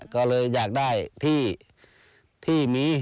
ก็เลยอยากได้ที่มี